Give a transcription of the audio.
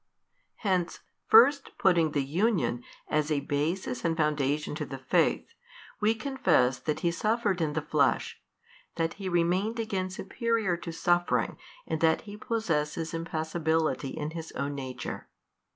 Hence first putting the Union as a basis and foundation to the Faith, we confess that He suffered in the flesh, that He remained again superior to suffering in that He possesses Impassibility in His own Nature.